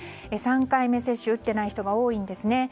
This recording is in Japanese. ３回目接種を打ってない人が多いんですね。